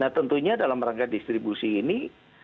nah tentunya dalam rangka distribusi ini